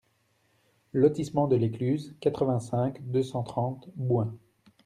Lotissement de l'Écluse, quatre-vingt-cinq, deux cent trente Bouin